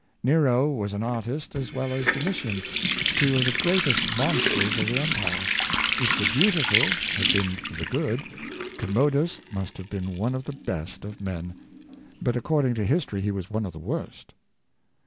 Nero was an artist as well as Domitian, two of the greatest monsters of the Empire. If the "Beautiful" had been the "Good," Commodus must have been one of the best of men. But according to history he was one of the worst.